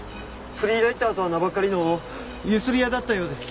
フリーライターとは名ばかりの強請屋だったようです。